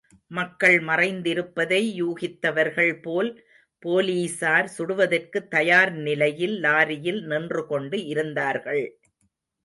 மக்கள் மறைந்திருப்பதை யூகித்தவர்கள் போல் போலீஸார் சுடுவதற்குத் தயார் நிலையில் லாரியில் நின்று கொண்டு இருந்தார்கள்.